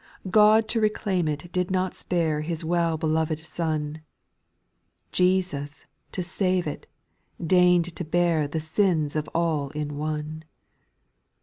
3. God to reclaim it did not spare His well beloved Son ; Jesus, to save it, deign'd to bear The sins of all in one.